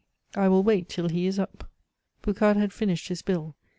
I will wait till he is up." Boucard had finished his bill.